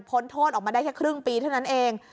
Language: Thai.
โทษออกมาได้แค่ครึ่งปีเท่านั้นเอง